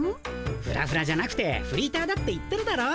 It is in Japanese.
ふらふらじゃなくてフリーターだって言ってるだろ。